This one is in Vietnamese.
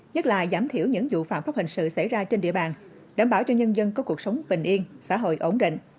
nhất là giảm thiểu những vụ phạm pháp hình sự xảy ra trên địa bàn đảm bảo cho nhân dân có cuộc sống bình yên xã hội ổn định